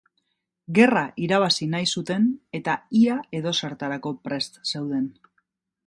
Gerra irabazi nahi zuten eta ia edozertarako prest zeuden.